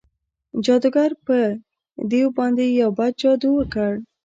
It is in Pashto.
جادوګر په دیو باندې یو بد جادو وکړ.